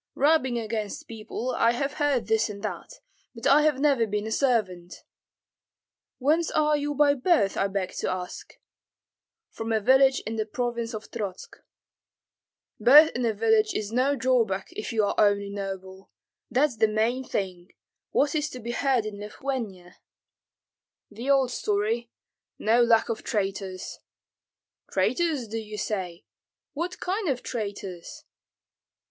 "Rubbing against people, I have heard this and that, but I have never been a servant." "Whence are you by birth, I beg to ask?" "From a village in the province of Trotsk." "Birth in a village is no drawback, if you are only noble; that's the main thing. What is to be heard in Lithuania?" "The old story, no lack of traitors." "Traitors, do you say? What kind of traitors?"